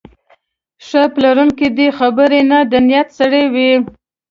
ښه پلورونکی د خبرو نه، د نیت سړی وي.